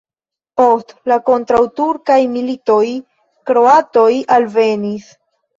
Post la kontraŭturkaj militoj kroatoj alvenis.